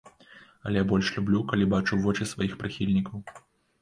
Але я больш люблю, калі бачу вочы сваіх прыхільнікаў.